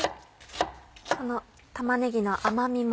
この玉ねぎの甘みも。